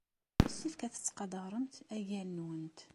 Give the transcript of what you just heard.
Yessefk ad tettqadaremt agal-nwent.